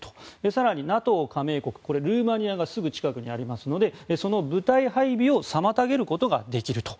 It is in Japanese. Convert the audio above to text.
更にＮＡＴＯ加盟国ルーマニアがすぐ近くにありますのでその部隊配備を妨げることができると。